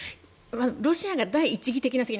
ロシアの第一義的な責任